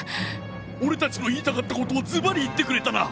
「俺たちの言いたかったことをずばり言ってくれたな」。